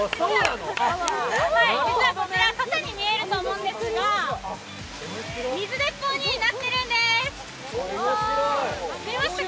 実はこちら、傘に見えると思うんですが、水鉄砲になってるんです。